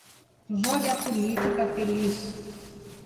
Jogue a política feliz